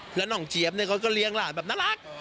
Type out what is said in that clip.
แล้วน้องเจี๊ยบเนี่ยเขาก็เลี้ยงหลานแบบน่ารัก